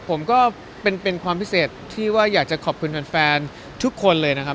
ผมก็เป็นความพิเศษที่ว่าอยากจะขอบคุณแฟนทุกคนเลยนะครับ